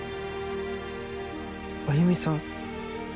歩さん？